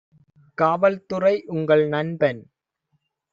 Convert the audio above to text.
காவல்துறை உங்கள் நண்பன்